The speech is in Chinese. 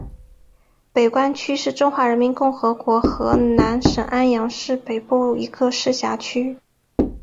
北关区是中华人民共和国河南省安阳市北部一个市辖区。